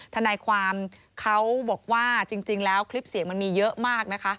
ทนายความเขาบอกว่าจริงแล้วคลิปเสียงมันมีเยอะมากนะคะ